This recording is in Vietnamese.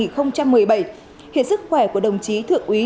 khiến sức khỏe của đồng chí thượng úy